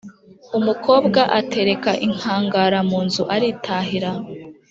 Umukobwa atereka inkangara mu nzu aritahira